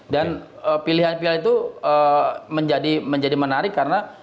dan pilihan pilihan itu menjadi menarik karena